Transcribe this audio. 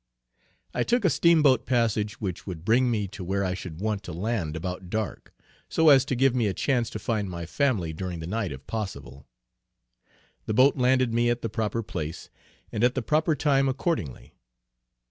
I took a Steamboat passage which would bring me to where I should want to land about dark, so as to give me a chance to find my family during the night if possible. The boat landed me at the proper place, and at the proper time accordingly.